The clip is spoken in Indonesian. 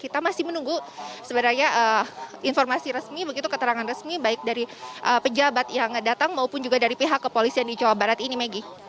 kita masih menunggu sebenarnya informasi resmi begitu keterangan resmi baik dari pejabat yang datang maupun juga dari pihak kepolisian di jawa barat ini megi